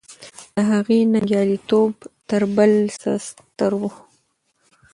د هغې ننګیالی توب تر بل څه ستر و.